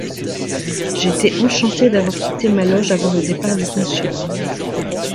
J'étais enchantée d'avoir quitté ma loge avant le départ du Consul.